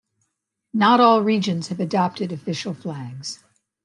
Not all regions have adopted official flags.